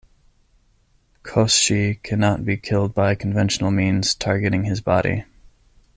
Koschei cannot be killed by conventional means targeting his body.